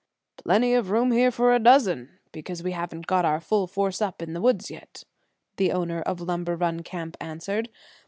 "Plenty of room here for a dozen, because we haven't got our full force up in the woods yet," the owner of Lumber Run Camp answered.